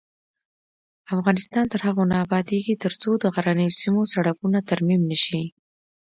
افغانستان تر هغو نه ابادیږي، ترڅو د غرنیو سیمو سړکونه ترمیم نشي.